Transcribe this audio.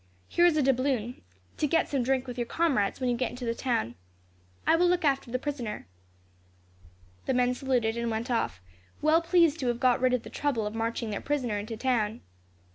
Here is a doubloon, to get some drink with your comrades when you get into the town. I will look after the prisoner." The men saluted and went off, well pleased to have got rid of the trouble of marching their prisoner into the town.